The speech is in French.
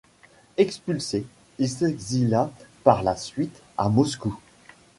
Expulsé, il s'exila par la suite à Moscou.